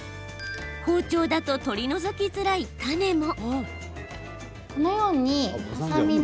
包丁だと取り除きづらいタネも。